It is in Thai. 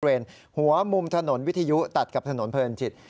บริเวณหัวมุมถนนวิทยุตัดกับถนนเผินชิต